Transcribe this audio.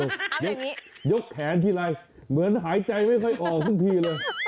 ยกแขนทีไรเหมือนหายใจไม่ค่อยออกทั้งทีเลย